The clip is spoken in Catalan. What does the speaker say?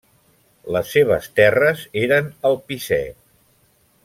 Les seves terres eren al Picè.